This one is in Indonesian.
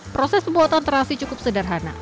proses pembuatan terasi cukup sederhana